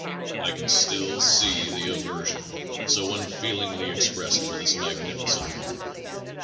I can still see the aversion so unfeelingly expressed for this magnificent woman.